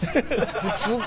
普通か。